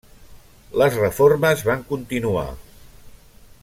Les reformes van continuar.